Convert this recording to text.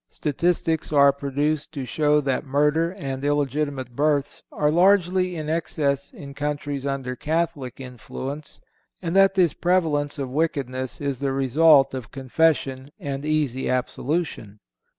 Statistics are produced to show that murder and illegitimate births are largely in excess in countries under Catholic influence, and that this prevalence of wickedness is the result of confession and easy absolution.